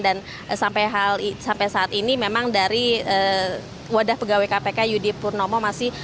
dan sampai saat ini memang dari wadah pegawai kpk yudi purnomo